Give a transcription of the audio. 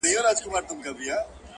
او نړۍ ته يې ښيي،